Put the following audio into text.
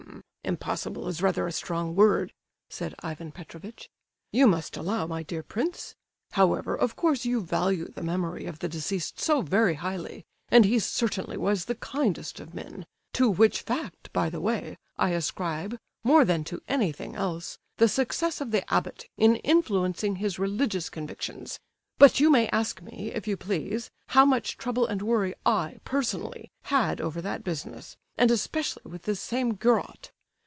"H'm! impossible is rather a strong word," said Ivan Petrovitch. "You must allow, my dear prince... However, of course you value the memory of the deceased so very highly; and he certainly was the kindest of men; to which fact, by the way, I ascribe, more than to anything else, the success of the abbot in influencing his religious convictions. But you may ask me, if you please, how much trouble and worry I, personally, had over that business, and especially with this same Gurot!